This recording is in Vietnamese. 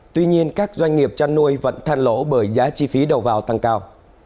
tuy nhiên các doanh nghiệp chăn nuôi vẫn than lỗ bởi giá chi phí đầu vào tăng cao